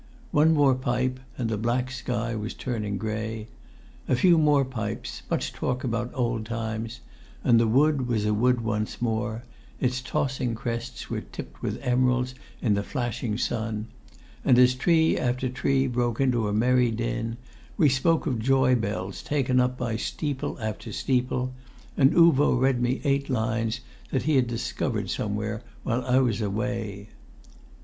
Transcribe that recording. One more pipe, and the black sky was turning grey. A few more pipes, much talk about old times, and the wood was a wood once more; its tossing crests were tipped with emeralds in the flashing sun; and as tree after tree broke into a merry din, we spoke of joy bells taken up by steeple after steeple, and Uvo read me eight lines that he had discovered somewhere while I was away.